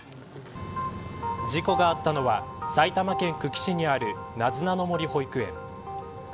事故があったのは埼玉県久喜市にあるなずなの森保育園。